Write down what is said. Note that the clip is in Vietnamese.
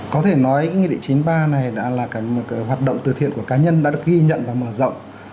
có thể nói cái nghị định chín mươi ba này đã là cả một cái hoạt động từ thiện của cá nhân đã được ghi nhận và mở rộng